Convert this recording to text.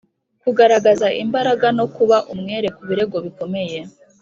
kugaragaza imbaraga n’ukuba umwere ku birego bikomeye.